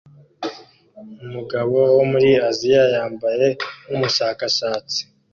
Umugabo wo muri Aziya yambaye nkumushakashatsi